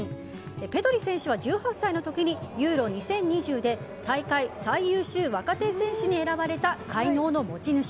ペドリ選手は１８歳の時にＥＵＲＯ２０２０で大会最優秀若手選手に選ばれた才能の持ち主。